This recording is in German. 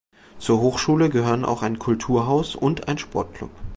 Zur Hochschule gehören auch ein Kulturhaus und ein Sportklub.